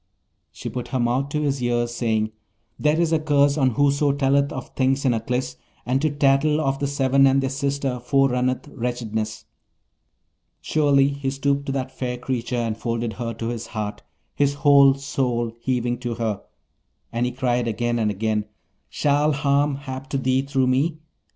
She put her mouth to his ear, saying, 'There is a curse on whoso telleth of things in Aklis, and to tattle of the Seven and their sister forerunneth wretchedness.' Surely, he stooped to that fair creature, and folded her to his heart, his whole soul heaving to her; and he cried again and again, 'Shall harm hap to thee through me?